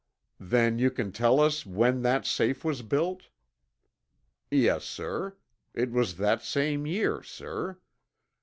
"Then you can tell us when that safe was built?" "Yes, sir. It was that same year, sir.